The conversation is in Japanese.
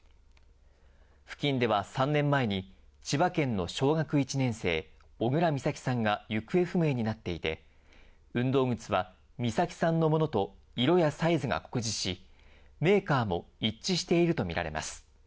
付近では３年前に、千葉県の小学１年生、小倉美咲さんが行方不明になっていて、運動靴は美咲さんのものと色やサイズが酷似し、メーカーも一致していると見られます。